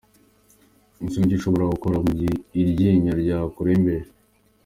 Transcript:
Ese ni iki ushobora gukora mu gihe iryinyo ryakurembeje?.